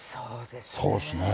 そうですね。